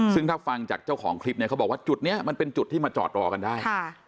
ซึ่งถ้าฟังจากเจ้าของคลิปเนี่ยเขาบอกว่าจุดนี้มันเป็นจุดที่มาจอดรอกันได้